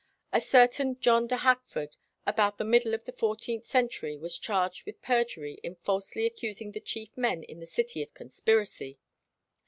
A certain John de Hakford, about the middle of the fourteenth century, was charged with perjury in falsely accusing the chief men in the city of conspiracy.